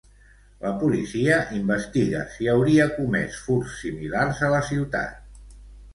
La policia investiga si hauria comès furts similars a la ciutat.